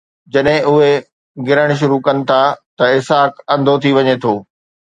جڏهن اهي گرڻ شروع ڪن ٿا ته اسحاق انڌو ٿي وڃي ٿو.